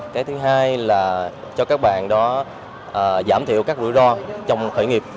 cái thứ hai là cho các bạn đó giảm thiểu các rủi ro trong khởi nghiệp